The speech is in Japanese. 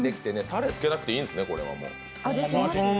たれつけなくていいんですね、これはもう。